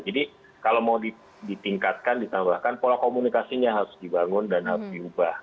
jadi kalau mau ditingkatkan ditambahkan pola komunikasinya harus dibangun dan harus diubah